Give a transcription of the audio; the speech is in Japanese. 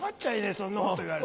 そんなこと言われて。